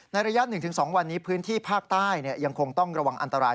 ระยะ๑๒วันนี้พื้นที่ภาคใต้ยังคงต้องระวังอันตราย